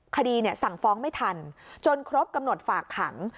คดีสั่งฟ้องไม่ทันจนครบกำหนดฝากขัง